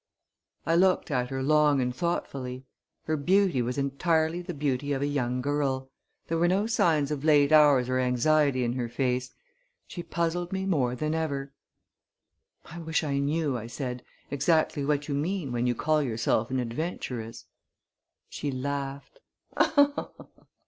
I looked at her long and thoughtfully. Her beauty was entirely the beauty of a young girl. There were no signs of late hours or anxiety in her face. She puzzled me more than ever. "I wish I knew," I said, "exactly what you mean when you call yourself an adventuress." She laughed.